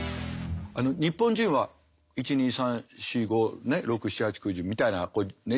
日本人は１２３４５６７８９１０みたいな指でこうやる。